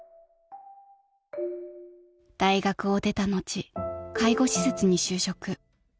［大学を出た後介護施設に就職］